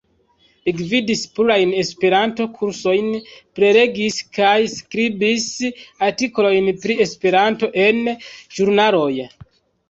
Li gvidis plurajn Esperanto-kursojn, prelegis kaj skribis artikolojn pri Esperanto en ĵurnaloj.